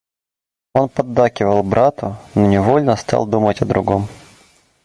Он поддакивал брату, но невольно стал думать о другом.